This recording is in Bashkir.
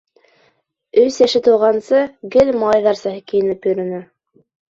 Өс йәше тулғансы, гел малайҙарса кейенеп йөрөнө.